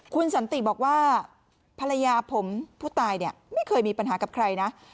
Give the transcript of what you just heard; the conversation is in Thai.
คุณสันติบอกว่าภรรยาผมผู้ตายเนี่ยไม่เคยมีปัญหากับใครนะ